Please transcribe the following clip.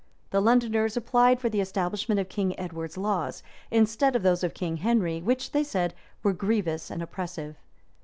[*] The Londoners applied for the establishment of King Edward's laws, instead of those of King Henry, which, they said, were grievous and oppressive.